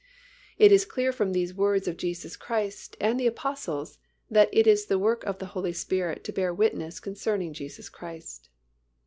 It is clear from these words of Jesus Christ and the Apostles that it is the work of the Holy Spirit to bear witness concerning Jesus Christ.